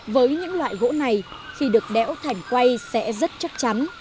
với những loại gỗ này khi được đẽo thành quay sẽ rất chắc chắn